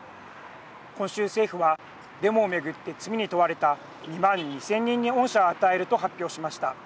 今週、政府はデモを巡って罪に問われた２万２０００人に恩赦を与えると発表しました。